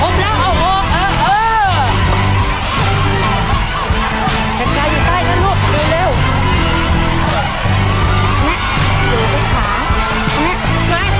ถ่ายลูกถ่ายอีกแล้ว